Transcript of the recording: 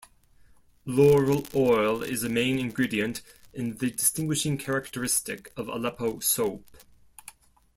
Laurel oil is a main ingredient, and the distinguishing characteristic of Aleppo soap.